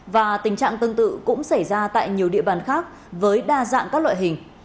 và tình trạng tương tự cũng xảy ra tại nhiều địa bàn khác với đa dạng các loại hình